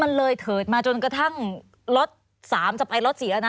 มันเลยเถิดมาจนกระทั่งรถ๓จะไปรถเสียนะ